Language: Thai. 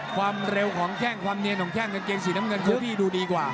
ความเร็วของแข้งความเนียนของแข้งกางเกงสีน้ำเงินคู่พี่ดูดีกว่า